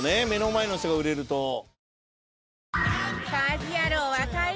目の前の人が売れると。